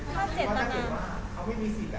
ถ้าเจตนา